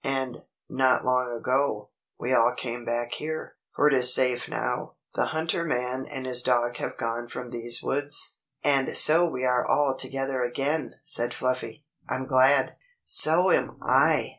And, not long ago, we all came back here. For it is safe now. The hunter man and his dog have gone from these woods." "And so we are all together again," said Fluffy. "I'm glad." "So am I!"